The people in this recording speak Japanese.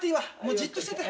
じっとしてて。